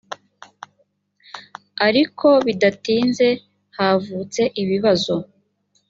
ariko bidatinze havutse ibibazo